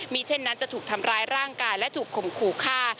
มีเช่นนั้นจะถูกทำร้ายร่างกายและถูกข่มขู่ฆ่า